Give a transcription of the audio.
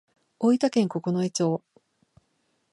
大分県九重町